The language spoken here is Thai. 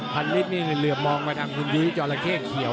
ทันลิตนี่เหลือมองไปทางขุนยุยจรเคศเขียว